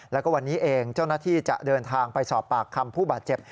แล้วก็วันนี้เองเจ้าหน้าที่จะเดินทางไปสอบปากคำผู้บาดเจ็บ